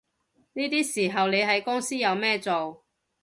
呢啲時候你喺公司有咩做